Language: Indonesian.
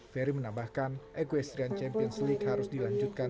ferry menambahkan equestrian champions league harus dilanjutkan